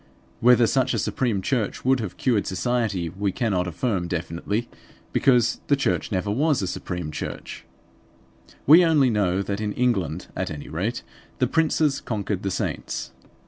Whether such a supreme church would have cured society we cannot affirm definitely; because the church never was a supreme church. We only know that in England at any rate the princes conquered the saints.